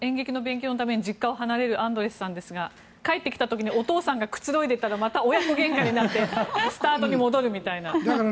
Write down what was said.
演劇の勉強のために実家を離れるアンドレスさんですが帰ってきた時に親がくつろいでいたらまたけんかになってスタートに戻るみたいな。